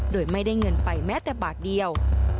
โดยไม่ได้เงินไปแม้แต่บาทเดียว